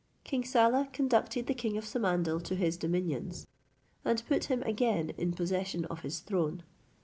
King Saleh conducted the king of Samandal to his dominions, and put him again in possession of his throne.